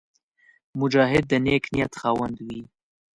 مجاهد د نېک نیت خاوند وي.